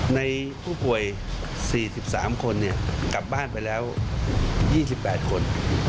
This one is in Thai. ในผู้ป่วย๔๓คนกลับบ้านไปแล้ว๒๘คน